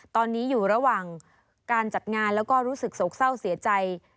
ตอนนี้อยู่ระหว่างการจัดงานแล้วก็รู้สึกโศกเศร้าเสียใจ